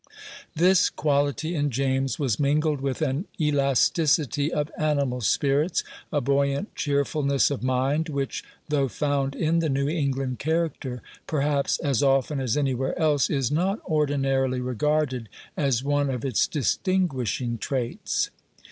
This quality in James was mingled with an elasticity of animal spirits, a buoyant cheerfulness of mind, which, though found in the New England character, perhaps, as often as any where else, is not ordinarily regarded as one of its distinguishing traits.